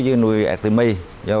với nuôi artemia